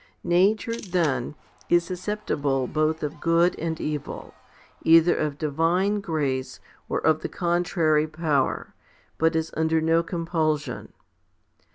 Nature, then, is susceptible both of good and evil, either of divine grace or of the contrary power, but is under no com pulsion.